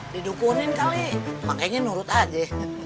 didukunin kali makanya nurut aja